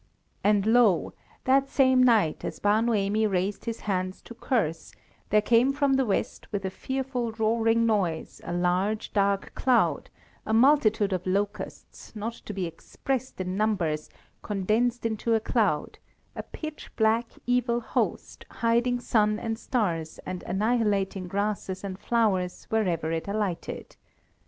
And lo! that same night, as Bar Noemi raised his hands to curse, there came from the west with a fearful roaring noise a large, dark cloud, a multitude of locusts, not to be expressed in numbers, condensed into a cloud, a pitch black, evil host, hiding sun and stars and annihilating grasses and flowers wherever it alighted.